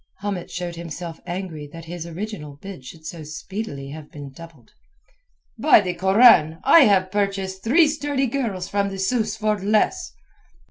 Hamet showed himself angry that his original bid should so speedily have been doubled. "By the Koran, I have purchased three sturdy girls from the Sus for less."